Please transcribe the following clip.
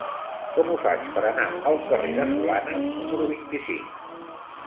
Com ho faig per anar al carrer de Solanes número vint-i-cinc?